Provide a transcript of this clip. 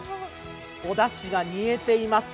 おだしが煮えています。